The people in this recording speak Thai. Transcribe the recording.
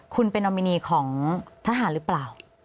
คุณเป็นนอมินีของทหารหรือเปล่า